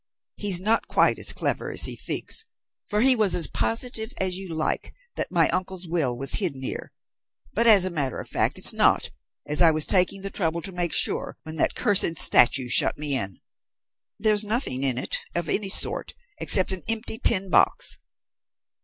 He's not quite as clever as he thinks, for he was as positive as you like that my uncle's will was hidden here, but as a matter of fact it's not, as I was taking the trouble to make sure when that cursed statue shut me in. There's nothing in it of any sort except an empty tin box."